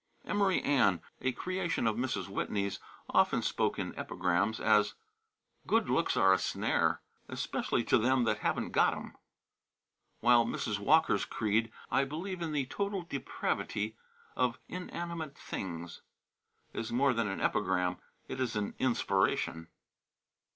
"Emory Ann," a creation of Mrs. Whitney's, often spoke in epigrams, as: "Good looks are a snare; especially to them that haven't got 'em." While Mrs. Walker's creed, "I believe in the total depravity of inanimate things," is more than an epigram it is an inspiration.